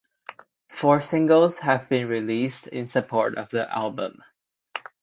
Four singles have been released in support of the album.